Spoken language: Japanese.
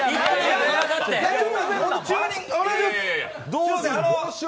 お願いします。